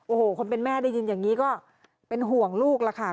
โอ้โหคนเป็นแม่ได้ยินอย่างนี้ก็เป็นห่วงลูกล่ะค่ะ